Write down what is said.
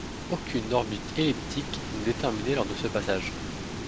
Aucune orbite elliptique n'est déterminée lors de ce passage.